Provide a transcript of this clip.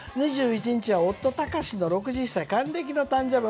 「２１日は夫、たかしの６１歳還暦の誕生日」。